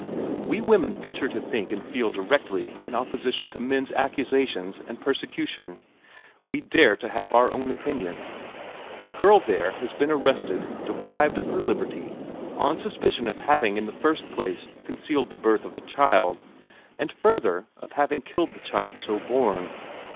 We women venture to think and feel directly in opposition to men's accusations and persecution; we dare to have our own opinion. The girl there has been arrested, deprived of her liberty, on suspicion of having in the first place concealed the birth of a child, and further of having killed the child so born.